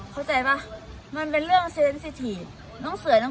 เข้าใจป่ะมันเป็นเรื่อง